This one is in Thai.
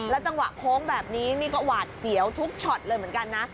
จังหวะโค้งแบบนี้นี่ก็หวาดเสียวทุกช็อตเลยเหมือนกันนะ